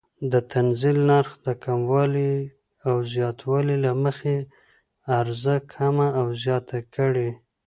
د تنزیل نرخ د کموالي او زیاتوالي له مخې عرضه کمه او زیاته کړي.